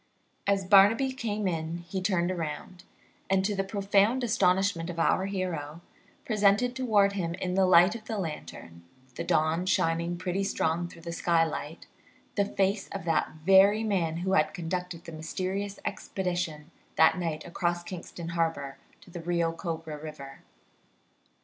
As Barnaby came in he turned round, and, to the profound astonishment of our hero, presented toward him in the light of the lantern, the dawn shining pretty strong through the skylight, the face of that very man who had conducted the mysterious expedition that night across Kingston Harbor to the Rio Cobra River.